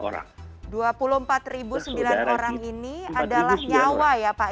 dua puluh empat sembilan orang ini adalah nyawa ya pak